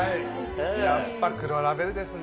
やっぱ黒ラベルですね。